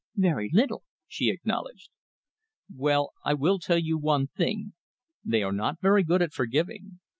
"Very little," she acknowledged. "Well, I will tell you one thing. They are not very good at forgiving.